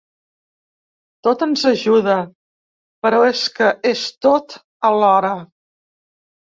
Tot ens ajuda, però és que és tot alhora.